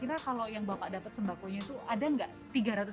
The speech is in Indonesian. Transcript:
kira kira kalau yang bapak dapat sembakonya itu ada enggak rp tiga ratus gitu